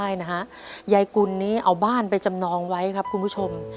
ใช่นะฮะยายกุลนี้เอาบ้านไปจำนองไว้ครับคุณผู้ชม